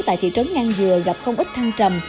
tại thị trấn ngang dừa gặp không ít thăng trầm